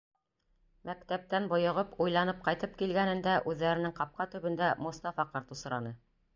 Мәктәптән бойоғоп, уйланып ҡайтып килгәнендә үҙҙәренең ҡапҡа төбөндә Мостафа ҡарт осраны.